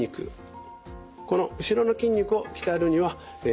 この後ろの筋肉を鍛えるにはえ